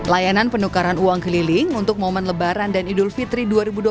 layanan penukaran uang keliling untuk momen lebaran dan idul fitri dua ribu dua puluh